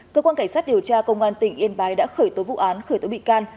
cơ quan cảnh sát điều tra công an tỉnh yên bái đã khởi tố vụ án khởi tố bị can